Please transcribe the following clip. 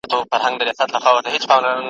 ته به کچکول را ډکوې یو بل به نه پېژنو ,